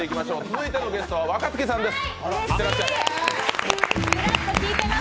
続いてのゲストは若槻さんです。